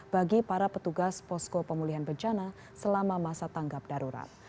bagi para petugas posko pemulihan bencana selama masa tanggap darurat